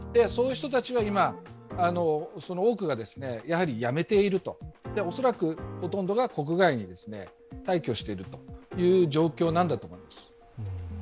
そういう人たちの多くが辞めている、恐らくほとんどが国外に退去しているという状況なんだと思います。